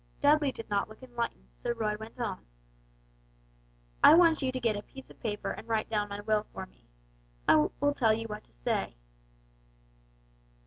Dudley did not look enlightened, so Roy went on, "I want you to get a piece of paper and write down my will for me. I will tell you what to say."